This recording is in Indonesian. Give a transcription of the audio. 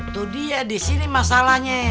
tuh dia disini masalahnya